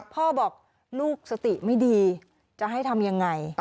พ่อบอกลูกสติไม่ดีจะให้ทำยังไง